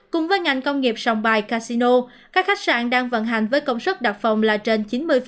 cùng với ngành công nghiệp sòng bài casino các khách sạn đang vận hành với công suất đặt phòng là trên chín mươi